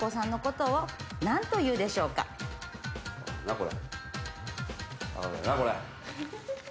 これ。